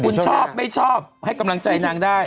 คุณชอบไม่ชอบให้กำลังใจนางได้